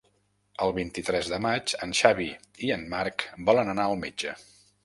El vint-i-tres de maig en Xavi i en Marc volen anar al metge.